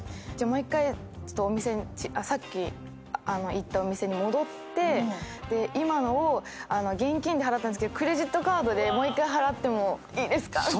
じゃもう１回お店さっき行ったお店に戻って今のを現金で払ったんですけどクレジットカードでもう１回払ってもいいですか？